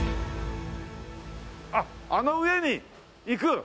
あっあの上に行く？